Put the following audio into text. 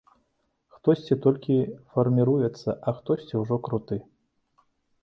Хтосьці толькі фарміруецца, а хтосьці ўжо круты.